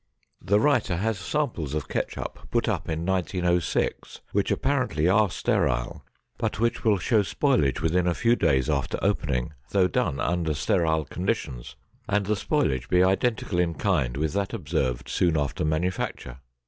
The writer has samples of ketchup put up in 1906 which apparently are sterile, but which will show spoilage within a few days after opening, though done under sterile conditions, and the spoilage be identical in kind with that observed soon after manufacture.